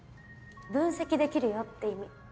分析できるよって意味。